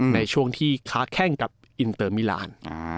ในช่วงที่ค้าแข้งกับอินเตอร์มิลาน